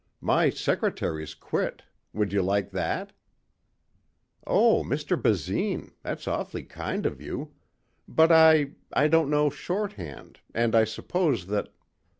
My secretary's quit. Would you like that?" "Oh, Mr. Basine. That's awfully kind of you. But I ... I don't know shorthand and I suppose that...."